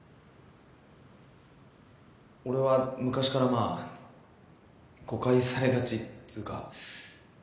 俺は昔からまあ誤解されがちっつか